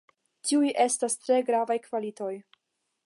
Tiuj estas tre gravaj kvalitoj.